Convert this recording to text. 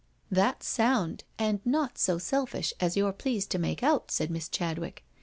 " That's sound, and not so selfish as you're pleased to make out," said Miss Chadwick.